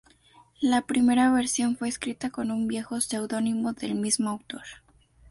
La primera versión fue escrita con un viejo seudónimo del mismo autor.